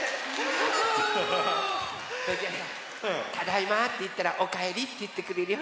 「ただいま」っていったら「おかえり」っていってくれるよ